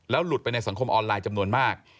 หลุดไปในสังคมออนไลน์จำนวนมาก